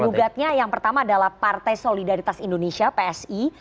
gugatnya yang pertama adalah partai solidaritas indonesia psi